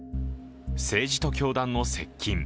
政治と教団の接近